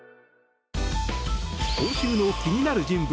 今週の気になる人物